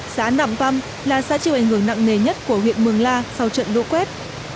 xá nẳng tâm là xá triều ảnh hưởng nặng nề nhất của huyện mường la sau trận lũ quét